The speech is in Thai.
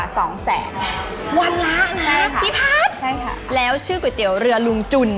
วันละนะพี่พัทย์แล้วชื่อก๋วยเตี๋ยวเรือลุงจุน